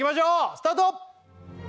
スタート！